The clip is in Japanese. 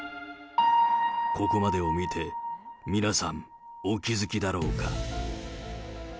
ここまでを見て、皆さん、お気付きだろうか。